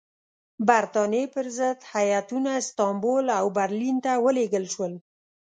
برټانیې پر ضد هیاتونه استانبول او برلین ته ولېږل شول.